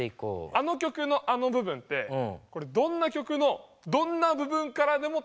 あの曲のあの部分ってどんな曲のどんな部分からでもつなげられるのよ。